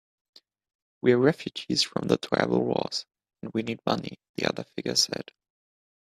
"We're refugees from the tribal wars, and we need money," the other figure said.